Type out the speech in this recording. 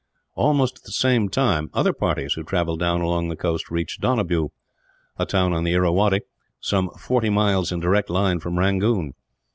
Almost at the same time, other parties who travelled down along the coast reached Donabew, a town on the Irrawaddy, some forty miles in direct line from Rangoon.